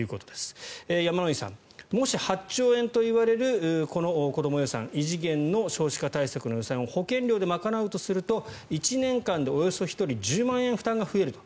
山井さん、もし８兆円といわれるこの子ども予算異次元の少子化対策の予算を保険料で賄うとすると１年間でおよそ１人１０万円負担が増えると。